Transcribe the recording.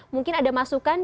mungkin ada masukan